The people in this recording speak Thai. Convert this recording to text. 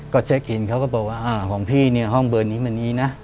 ก็เช็คอินเขาก็บอกว่าของพี่เนี่ยห้องเบอร์นี้มันนี้นะ